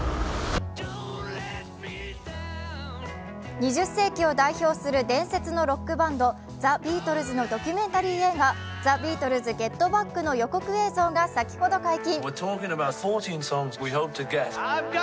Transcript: ２０世紀を代表する伝説のロックバンド、ザ・ビートルズのドキュメンタリー映画、「ザ・ビートルズ：ＧｅｔＢａｃｋ」の予告映像が先ほど解禁。